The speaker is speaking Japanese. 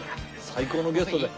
最高のゲストだ。